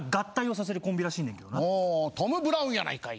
ほトム・ブラウンやないかい